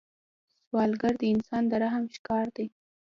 سوالګر د انسان د رحم ښکار دی